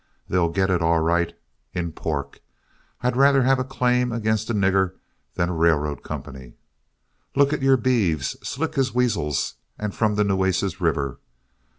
They'll get it all right in pork. I'd rather have a claim against a nigger than a railroad company. Look at your beeves, slick as weasels, and from the Nueces River.